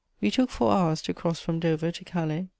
We took four hours to cross from Dover to Calais.